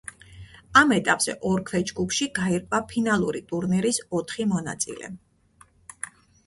ამ ეტაპზე ორ ქვეჯგუფში გაირკვა ფინალური ტურნირის ოთხი მონაწილე.